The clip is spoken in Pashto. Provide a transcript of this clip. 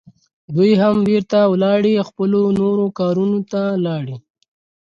دوی هم بیرته ولاړې، خپلو نورو کارونو ته لاړې.